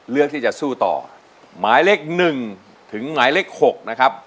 เลือกที่จะสู้ต่อหมายเลขหนึ่งถึงหมายเลข๖นะครับ